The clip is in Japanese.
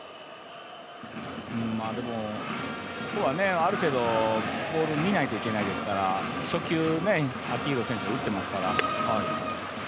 でも、ある程度ボール見ないといけないですから初球、秋広選手打ってますから。